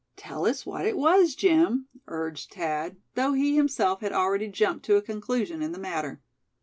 "Tell us what it was, Jim," urged Thad, though he himself had already jumped to a conclusion in the matter.